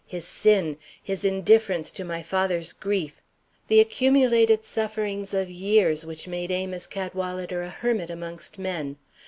his sin, his indifference to my father's grief; the accumulated sufferings of years which made Amos Cadwalader a hermit amongst men.